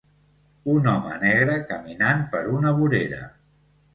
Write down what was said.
Un home negre caminant per una vorera.